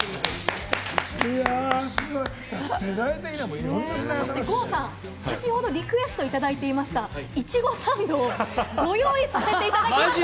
世代的には、いろんな世代の先ほどリクエストいただいていました、苺サンド、ご用意させていただきました。